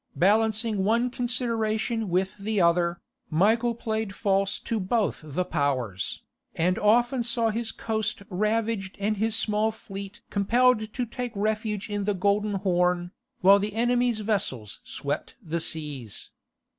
Balancing one consideration with the other, Michael played false to both the powers, and often saw his coast ravaged and his small fleet compelled to take refuge in the Golden Horn, while the enemy's vessels swept the seas.